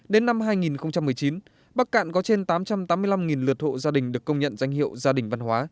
đến năm hai nghìn một mươi chín bắc cạn có trên tám trăm tám mươi năm lượt hộ gia đình được công nhận danh hiệu gia đình văn hóa